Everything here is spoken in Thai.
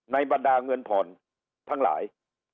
บรรดาเงินผ่อนทั้งหลาย